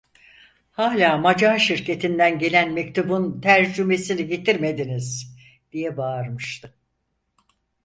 "Hâlâ Macar şirketinden gelen mektubun tercümesini getirmediniz!" diye bağırmıştı.